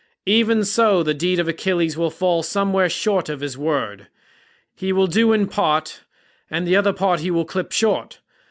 Even so the deed of Achilles will fall somewhat short of his word; he will do in part, and the other part he will clip short.